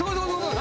何？